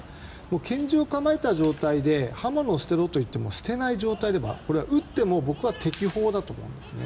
拳銃を構えた状態で刃物を捨てろと言っても捨てない状態ではこれは撃っても僕は適法だと思いますね。